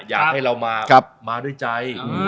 อยากให้เรามามาด้วยใจ